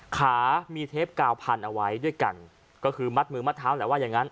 ขามีเทปกาวพันเอาไว้ด้วยกันก็คือมัดมือมัดเท้าแหละว่าอย่างงั้น